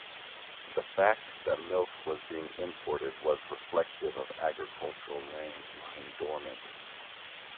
The fact that milk was being imported was reflective of agricultural land lying dormant.